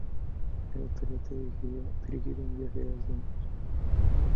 El hotel está dirigido a viajeros de negocio.